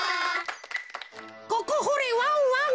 「ここほれワンワン」。